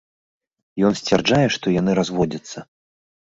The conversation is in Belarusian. Ён сцвярджае, што яны разводзяцца.